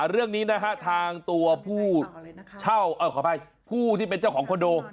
เรื่องนี้นะฮะทางตัวผู้เช่าขออภัยผู้ที่เป็นเจ้าของคอนโด